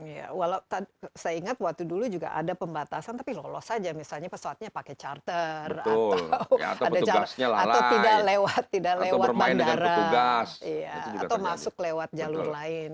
ya walau saya ingat waktu dulu juga ada pembatasan tapi lolos saja misalnya pesawatnya pakai charter atau tidak lewat bandara atau masuk lewat jalur lain